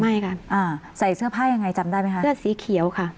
ไม่ค่ะอ่าใส่เสื้อผ้ายังไงจำได้ไหมคะเสื้อสีเขียวค่ะ